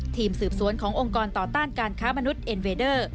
ทีมสืบสวนขององค์กรต่อต้านการค้ามนุษย์เอ็นเวดเดอร์